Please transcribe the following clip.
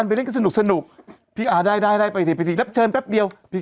แล้วก็มาเป็นแบบเนี่ย